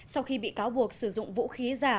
sau khi bị cáo buộc sử dụng vũ khí giả